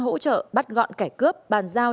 hỗ trợ bắt gọn cải cướp bàn giao